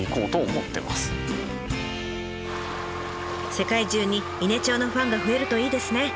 世界中に伊根町のファンが増えるといいですね。